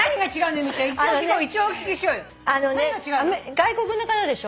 外国の方でしょ。